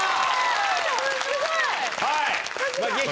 すごい！